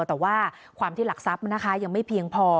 แต่ว่าความที่หลักทรัพย์นะคะยังไม่เพียงพอ